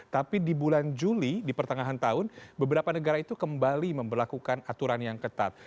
tapi di bulan juli di pertengahan tahun beberapa negara itu kembali memperlakukan aturan yang ketat